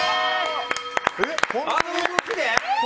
あの動きで？